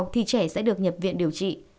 trẻ sẽ được nhập viện điều trị